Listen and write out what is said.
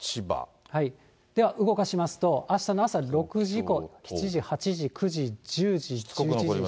では、動かしますと、あしたの朝６時以降、７時、８時、９時、１０時、１１時、正午。